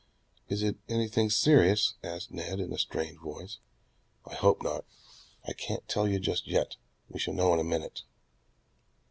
"Is it anything serious?" asked Ned in a strained voice. "I hope not. I can't tell you just yet. We shall know in a minute...